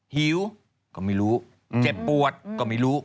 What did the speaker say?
หิวก็ไม่รู้เจ็บปวดก็ไม่รู้